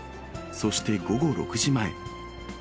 そして午後６時前。